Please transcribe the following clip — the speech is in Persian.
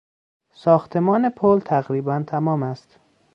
ساختمان پل تقریبا تمام است.